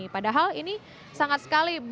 padahal ini sangat sekali